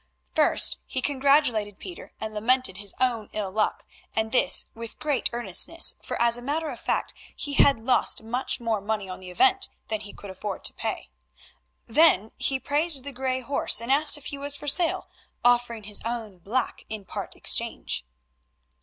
First he congratulated Pieter and lamented his own ill luck, and this with great earnestness, for as a matter of fact he had lost much more money on the event than he could afford to pay. Then he praised the grey horse and asked if he was for sale, offering his own black in part exchange.